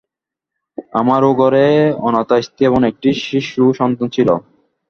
আমারও ঘরে অনাথা স্ত্রী এবং একটি শিশুসন্তান ছিল।